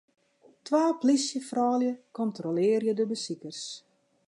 Twa plysjefroulju kontrolearje de besikers.